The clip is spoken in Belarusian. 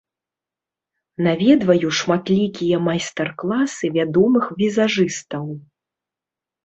Наведваю шматлікія майстар-класы вядомых візажыстаў.